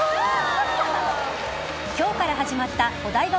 今日から始まったお台場